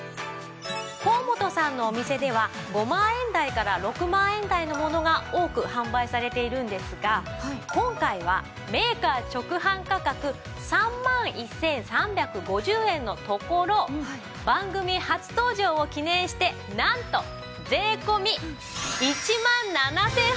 高本さんのお店では５万円台から６万円台のものが多く販売されているんですが今回はメーカー直販価格３万１３５０円のところ番組初登場を記念してなんと税込１万７８００円。